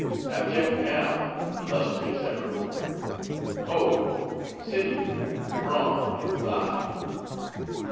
—abject now, illustrious evermore:—Ho: Sinew, Brawn, and Thigh!"